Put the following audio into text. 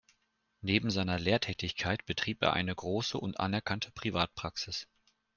Neben seiner Lehrtätigkeit betrieb er eine große und anerkannte Privatpraxis.